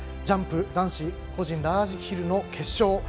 ジャンプ男子個人ラージヒルの決勝。